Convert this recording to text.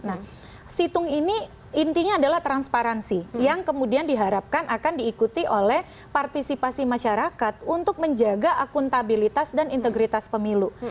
nah situng ini intinya adalah transparansi yang kemudian diharapkan akan diikuti oleh partisipasi masyarakat untuk menjaga akuntabilitas dan integritas pemilu